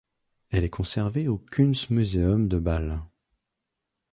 Elle est conservée au Kunstmuseum de Bâle.